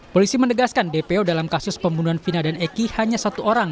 polisi menegaskan dpo dalam kasus pembunuhan vina dan eki hanya satu orang